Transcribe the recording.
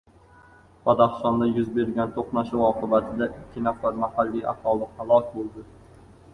Badaxshonda yuz bergan to‘qnashuv oqibatida ikki nafar mahalliy aholi halok bo‘ldi